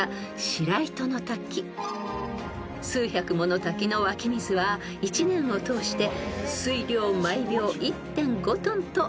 ［数百もの滝の湧き水は一年を通して水量毎秒１．５ｔといわれています］